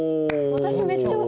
私めっちゃ。